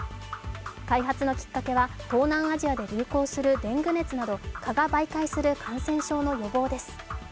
開発のきっかけは東南アジアで流行するデング熱など蚊が媒介する感染症の予防です。